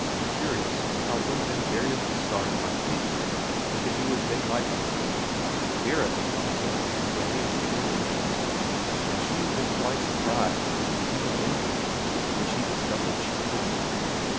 Curious how women invariably started by thinking they could do as they liked with him. Vera had thought so, and behaved accordingly ; and she had been quite surprised, and even injured, when she discovered she couldn't.